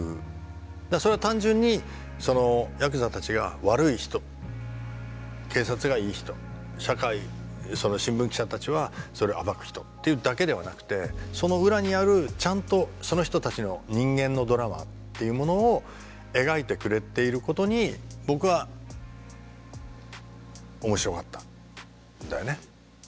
だからそれは単純にヤクザたちが悪い人警察がいい人社会その新聞記者たちはそれを暴く人っていうだけではなくてその裏にあるちゃんとその人たちの人間のドラマっていうものを描いてくれていることに僕は面白がったんだよね。